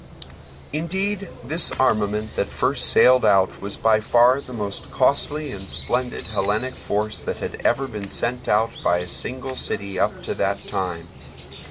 Indeed this armament that first sailed out was by far the most costly and splendid Hellenic force that had ever been sent out by a single city up to that time.